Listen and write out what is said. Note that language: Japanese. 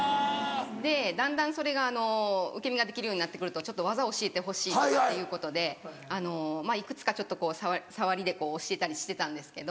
でだんだんそれが受け身ができるようになって来ると技を教えてほしいとかっていうことでいくつかちょっとさわりで教えたりしてたんですけど。